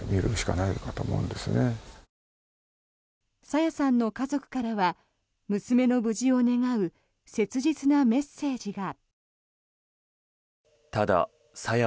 朝芽さんの家族からは娘の無事を願う切実なメッセージが。